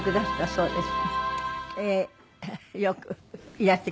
そうです。